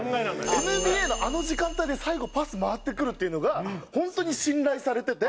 ＮＢＡのあの時間帯で最後パス回ってくるっていうのが本当に信頼されてて。